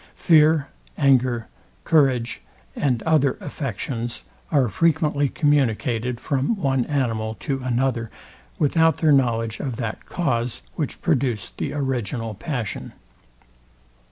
Fear, anger, courage, and other affections are frequently communicated from one animal to another, without their knowledge of that cause, which produced the original passion.